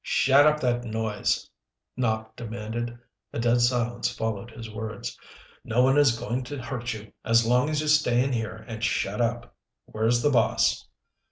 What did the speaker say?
"Shut up that noise," Nopp demanded. A dead silence followed his words. "No one is going to hurt you as long as you stay in here and shut up. Where's the boss."